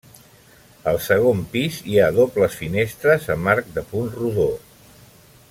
Al segon pis hi ha dobles finestres amb arc de punt rodó.